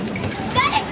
誰か！